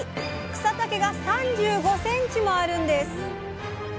草丈が３５ｃｍもあるんです。